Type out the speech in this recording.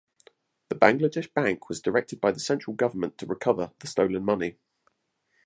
The Bangladesh Bank was directed by the central government to recover the stolen money.